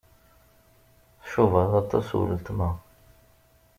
Tcubaḍ aṭas weltma.